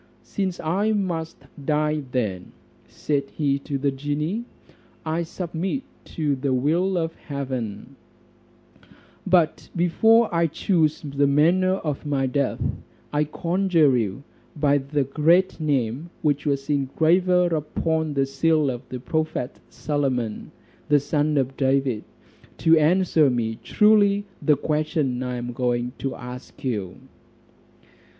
"Since I must die then," said he to the genie, "I submit to the will of heaven; but before I choose the manner of my death, I conjure you by the great name which was engraver upon the seal of the prophet Solomon, the son of David, to answer me truly the question I am going to ask you."